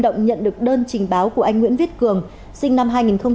kim động nhận được đơn trình báo của anh nguyễn viết cường sinh năm hai nghìn chín